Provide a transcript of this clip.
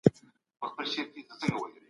ساینسپوهان د اوښکو جوړښت ښه پېژني.